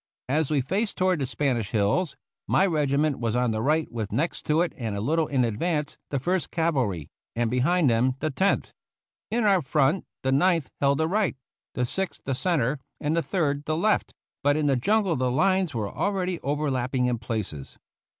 As we faced toward the Spanish hills my regiment was on the right with next to it and a little in advance the First Cavalry, and behind them the Tenth. In our front the Ninth held the right, the Sixth the centre, and the Third the left; but in the jungle the lines were already overlapping in places.